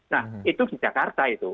nah itu di jakarta itu